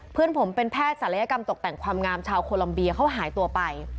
เพื่อนผมเป็นแพทย์ศัลยกรรมตกแต่งความงามชาวโคลัมเบียเขาหายตัวไป